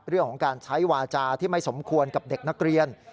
เรื่องของการใช้วาจาที่ไม่สมควรกับเด็กนักเรียน